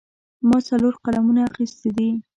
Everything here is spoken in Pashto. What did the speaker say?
ما څلور قلمونه اخیستي دي.